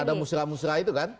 ada musrah musrah itu kan